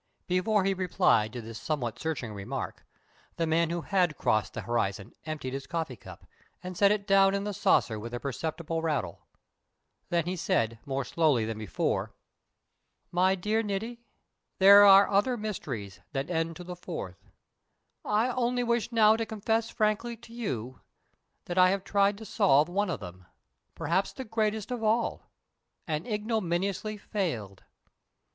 Before he replied to this somewhat searching remark, the man who had crossed the horizon emptied his coffee cup, and set it down in the saucer with a perceptible rattle. Then he said more slowly than before: "My dear Niti, there are other mysteries than N to the fourth. I only wish now to confess frankly to you that I have tried to solve one of them, perhaps the greatest of all, and ignominiously failed.